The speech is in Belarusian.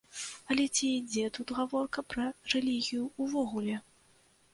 Але ці ідзе тут гаворка пра рэлігію ўвогуле?